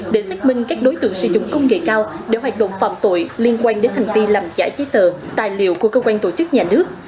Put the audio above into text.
để xác minh các đối tượng sử dụng công nghệ cao để hoạt động phạm tội liên quan đến hành vi làm giả giấy tờ tài liệu của cơ quan tổ chức nhà nước